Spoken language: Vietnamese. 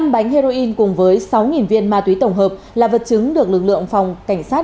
năm bánh heroin cùng với sáu viên ma túy tổng hợp là vật chứng được lực lượng phòng cảnh sát